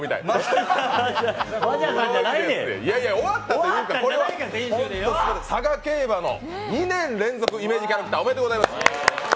いやいや、終わったというかこれは佐賀競馬の２年連続イメージキャラクター、おめでとうございます。